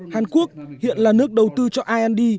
hàn quốc hiện là nước đầu tư cho ind